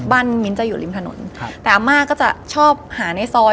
บ้านมิ้นจะอยู่ริมถนนแต่อาม่าก็จะชอบหาในซอย